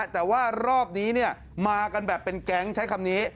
แต่ว่ารอบนี้มากันแบบเป็นแก๊งใช้คำนี้